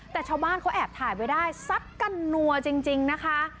แต่ชาวบ้านเขาแอบถ่ายไว้ได้ซัดกันนัวจริงนะคะ